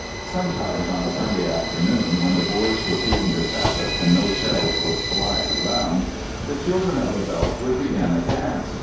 "Sometimes on a Sunday afternoon, when the Boers were keeping the Sabbath and no shells were flying around, the children of the veldt would begin a dance.